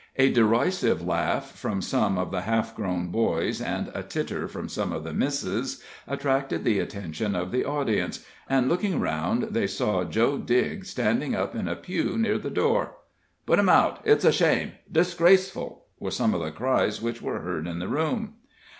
A derisive laugh from some of the half grown boys, and a titter from some of the misses, attracted the attention of the audience, and looking round they saw Joe Digg standing up in a pew near the door. "Put him out!" "It's a shame!" "Disgraceful!" were some of the cries which were heard in the room.